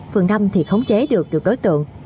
phường năm thì khống chế được được đối tượng